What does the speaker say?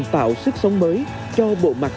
tạo sức sống mới cho bộ mặt